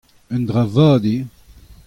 un dra vat eo.